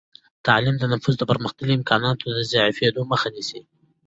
تعلیم د نفوس د پرمختللو امکاناتو د ضعیفېدو مخه نیسي.